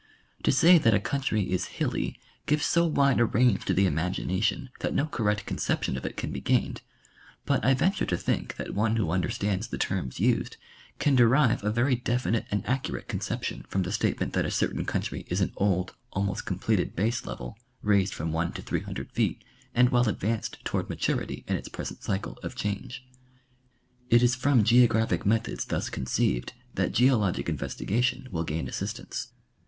To say that a country is hilly gives so wide a range to the imagination that no correct conception of it can be gained, but I venture to think that one who understands the terms used can derive a very definite and accurate conception from the state ment that a certain country is an old, almost completed base level, raised from one to three hundred feet, and well advanced toward maturity in its present cycle of change. It is from geographic methods thus conceived that geologic investigation will gain assistance.